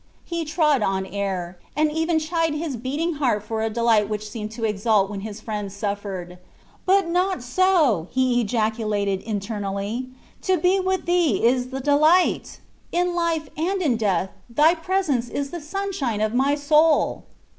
He trod on air, and even chid his beating heart for a delight which seemed to exult when his friend suffered: "But not so," ejaculated he internally; "to be with thee is the delight! In life or in death thy presence is the sunshine of my soul!"